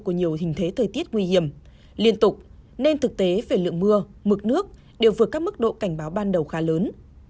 của nhiều hình thế thời tiết nguy hiểm liên tục nên thực tế về lượng mưa mực nước đều vượt các mức độ cảnh báo ban đầu khá lớn